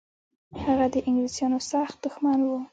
هغه د انګلیسانو سخت دښمن و.